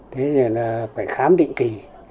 thế là phải khám định kỳ